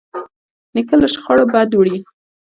نیکه له شخړو بد وړي.